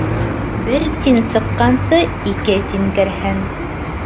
Бер тин сыҡҡансы, ике тин керһен.